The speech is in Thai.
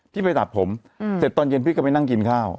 พี่ไปตัดผมเสร็จตอนเย็นพี่ก็ไปนั่งกินข้าว